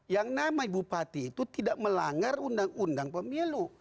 yang nama bupati itu tidak melanggar undang undang pemilu